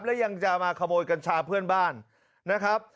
และยังจะมาขโมยกัญชาเพื่อนบ้านนะครับ